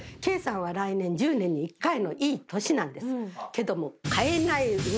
けども。